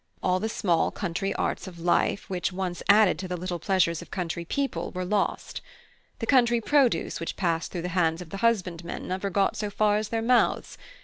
All the small country arts of life which once added to the little pleasures of country people were lost. The country produce which passed through the hands of the husbandmen never got so far as their mouths.